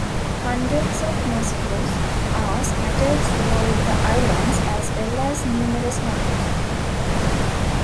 Hundreds of mosques are scattered throughout the islands, as well as numerous "madrassah".